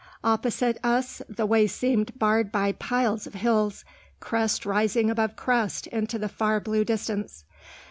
Opposite us the way seemed barred by piles of hills, crest rising above crest into the far blue distance.